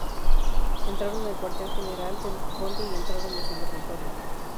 Entraron en el cuartel general del conde y entraron en su dormitorio.